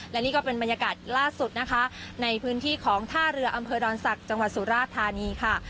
และนี่ก็เป็นบรรยากาศล่าสุดนะคะในพื้นที่ของท่าเรืออำเภอดอนศักดิ์จังหวัดสุราธานีค่ะ